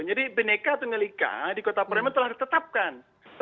jadi beneka atau nyelika di kota riyaman telah ditetapkan